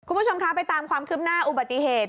คุณผู้ชมคะไปตามความคืบหน้าอุบัติเหตุ